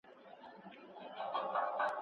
انا په ډېرې ستړیا سره پر خپل ځای کښېناسته.